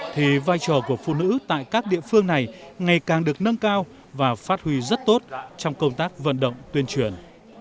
thì vai trò của phụ nữ tại các địa phương này ngày càng được nâng cao và phát huy rất tốt trong công tác vận động tuyên truyền